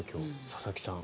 佐々木さん